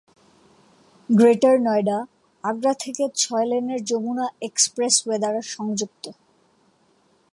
Greater Noida Agra থেকে ছয়-লেনের Yamuna expressway দ্বারা সংযুক্ত।